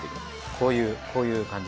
こういうこういう感じ？